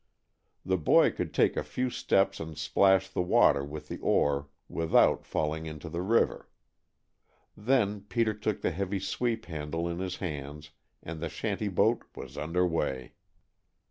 The boy could take a few steps and splash the water with the oar without falling into the river. Then Peter took the heavy sweep handle in his hands and the shanty boat was under way.